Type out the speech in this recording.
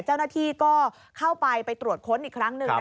เจ้าหน้าที่ก็เข้าไปไปตรวจค้นอีกครั้งหนึ่ง